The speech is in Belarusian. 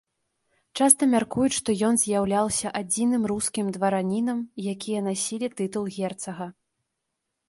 Часта мяркуюць, што ён з'яўляўся адзіным рускім дваранінам, якія насілі тытул герцага.